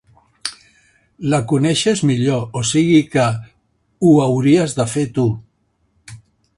La coneixes millor, o sigui que ho hauries de fer tu.